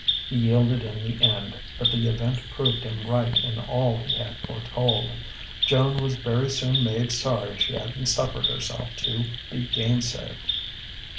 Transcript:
He yielded in the end, but the event proved him right in all he had foretold. Joan was very soon made sorry she hadn't suffered herself to be gainsaid.